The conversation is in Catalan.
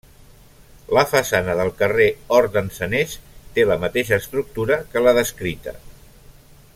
La façana del carrer Hort d'en Sanés té la mateixa estructura que la descrita.